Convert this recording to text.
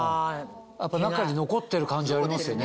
中に残ってる感じありますよね。